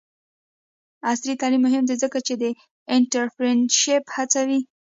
عصري تعلیم مهم دی ځکه چې د انټرپرینرشپ هڅوي.